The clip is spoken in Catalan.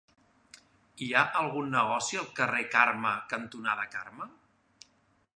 Hi ha algun negoci al carrer Carme cantonada Carme?